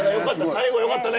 最後よかったね。